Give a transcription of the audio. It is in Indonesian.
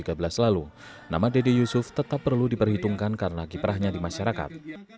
masyarakat di jawa barat tetap perlu diperhitungkan karena kiprahnya di masyarakat